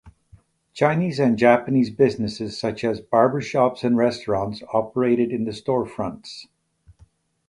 Chinese and Japanese businesses such as barbershops and restaurants operated in the storefronts.